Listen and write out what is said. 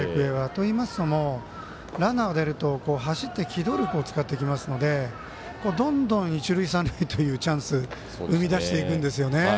といいますのもランナー出ると走って機動力を使ってきますのでどんどん一塁、三塁というチャンス生み出していくんですよ。